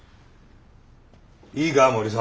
いいか森澤。